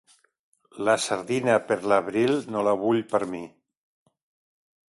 La sardina per l'abril no la vull per mi.